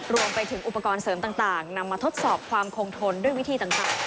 รวมไปถึงอุปกรณ์เสริมต่างนำมาทดสอบความคงทนด้วยวิธีต่าง